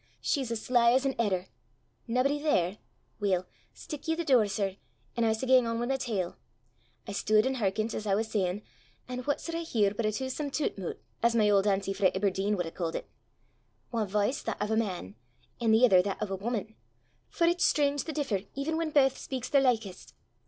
she's as sly as an edder! Naebody there? Weel, steek ye the door, sir, an' I s' gang on wi' my tale. I stude an' hearkent, as I was sayin', an' what sud I hear but a twasome toot moot, as my auld auntie frae Ebberdeen wud hae ca'd it ae v'ice that o' a man, an' the ither that o' a wuman, for it's strange the differ even whan baith speyks their laichest!